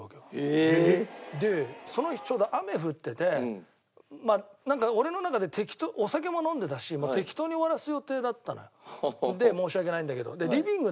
えーっ？でその日ちょうど雨降ってて俺の中でお酒も飲んでたし適当に終わらす予定だったのよ申し訳ないんだけど。